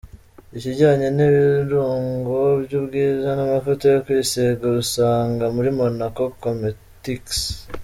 Ikijyanye n'ibirungo by'ubwiza n'amavuta yo kwisiga, ubisanga muri Monaco Cometics.